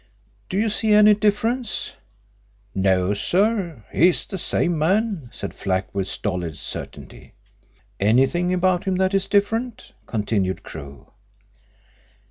"Do you see any difference?" "No, sir; he's the same man," said Flack, with stolid certainty. "Anything about him that is different?" continued Crewe.